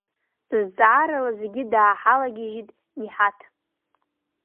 Зҵаарала зегьы дааҳалагьежьит Ниҳаҭ.